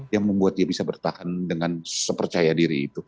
yang membuat dia bisa bertahan dengan sepercaya diri itu